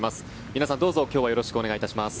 皆さん、どうぞ今日はよろしくお願いします。